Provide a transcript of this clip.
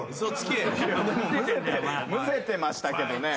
むせてましたけどね。